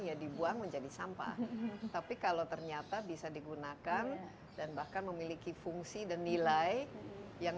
jadi buang menjadi sampah tapi kalau ternyata bisa digunakan dan bahkan memiliki fungsi dan nilai yang